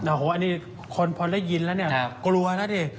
โอ้โฮอันนี้ท่านพูดได้ยินแล้วตกลัวน่ะดิ